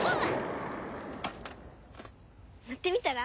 乗ってみたら？